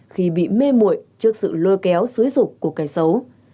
khi bị mê mội trước sự lôi kéo suối rục của cái xấu